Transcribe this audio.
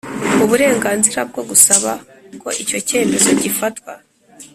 uburenganzira bwo gusaba ko icyo cyemezo gifatwa